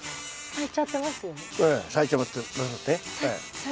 はい。